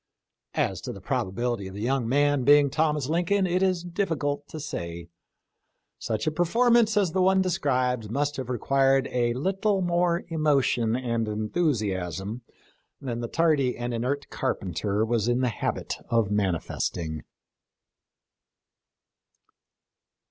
As to the probability of the young man being Thomas Lincoln it is diffi cult to say ; such a performance as the one de scribed must have required a little more emotion and enthusiasm than the tardy and inert carpenter was in the habit of manifesting.